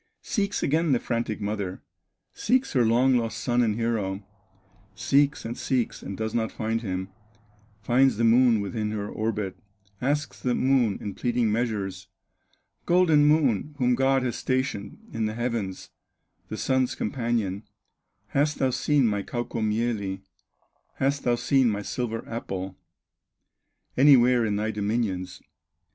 Seeks again the frantic mother, Seeks her long lost son and hero, Seeks, and seeks, and does not find him; Finds the Moon within her orbit, Asks the Moon in pleading measures: "Golden Moon, whom God has stationed In the heavens, the Sun's companion, Hast thou seen my Kaukomieli, Hast thou seen my silver apple, Anywhere in thy dominions?"